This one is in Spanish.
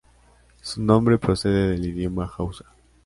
Su nombre procede del idioma hausa.